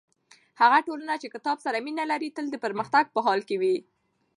هغه ټولنه چې کتاب سره مینه لري تل د پرمختګ په حال کې وي.